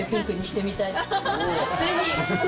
ぜひ！